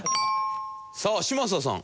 さあ嶋佐さん